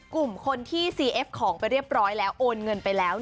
กลุ่มคนที่ซีเอฟของไปเรียบร้อยแล้วโอนเงินไปแล้ว